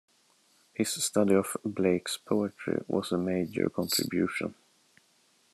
His study of Blake's poetry was a major contribution.